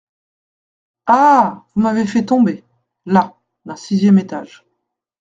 Ah ! vous m’avez fait tomber, là, d’un sixième étage…